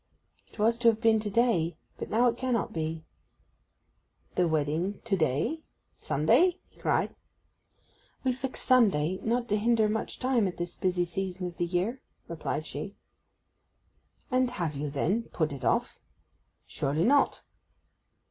'It was to have been to day; but now it cannot be.' 'The wedding to day—Sunday?' he cried. 'We fixed Sunday not to hinder much time at this busy season of the year,' replied she. 'And have you, then, put it off—surely not?